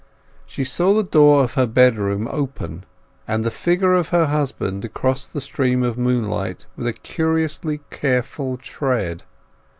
She saw the door of her bedroom open, and the figure of her husband crossed the stream of moonlight with a curiously careful tread.